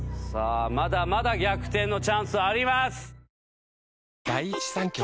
まだまだ逆転のチャンスあります。